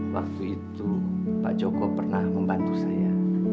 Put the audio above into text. waktu itu pak joko pernah membantu saya